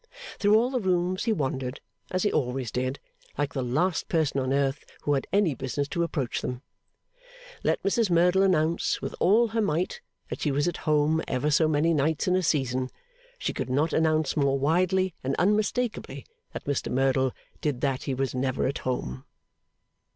Through all the rooms he wandered, as he always did, like the last person on earth who had any business to approach them. Let Mrs Merdle announce, with all her might, that she was at Home ever so many nights in a season, she could not announce more widely and unmistakably than Mr Merdle did that he was never at home.